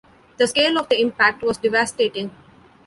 The scale of the impact was devastating.